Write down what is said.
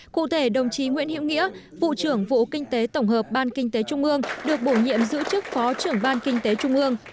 cụ thể đồng chí nguyễn hiệu nghĩa vụ trưởng vụ kinh tế tổng hợp ban kinh tế trung ương được bổ nhiệm giữ chức phó trưởng ban kinh tế trung ương